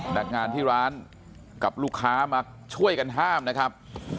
นักงานที่ร้านกับลูกค้ามาช่วยกันห้ามนะครับ